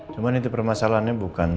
cuma nanti permasalahannya bukan